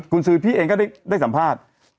คุณซื้อพี่เองก็ได้สัมภาษณ์